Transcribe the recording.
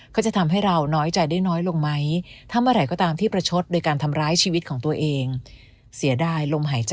ก็จะทำให้เราน้อยใจได้น้อยลงไหม